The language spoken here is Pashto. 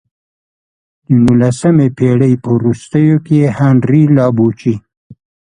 د نولسمې پېړۍ په وروستیو کې هنري لابوچي.